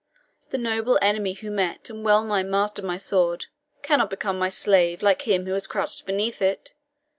The noble enemy who met and well nigh mastered my sword cannot become my slave like him who has crouched beneath it.